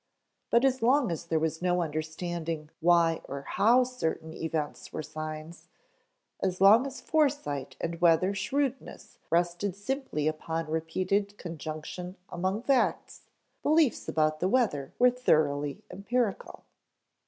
But as long as there was no understanding why or how certain events were signs, as long as foresight and weather shrewdness rested simply upon repeated conjunction among facts, beliefs about the weather were thoroughly empirical.